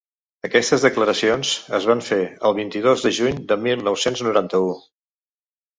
Aquestes declaracions es van fer el vint-i-dos de juny del mil nou-cents noranta-u.